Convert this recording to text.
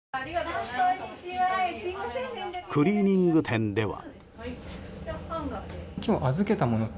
クリーニング店では。